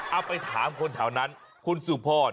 เอาไปถามคนแถวนั้นคุณสุพร